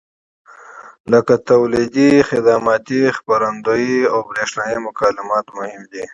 لکه تولیدي، خدماتي، خپرندویي او برېښنایي مکالمات مهم دي.